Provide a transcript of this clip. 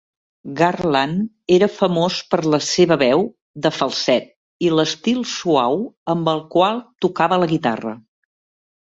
Garland era famós per la seva veu de falset i l'estil suau amb el qual tocava la guitarra.